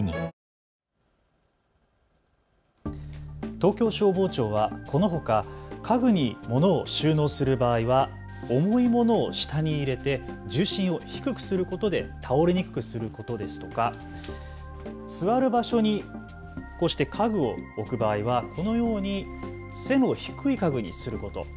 東京消防庁は、このほか家具にものを収納する場合は重いものを下に入れて重心を低くすることで倒れにくくすることですとか座る場所にこうして家具を置く場合はこのように背の低い家具にすること。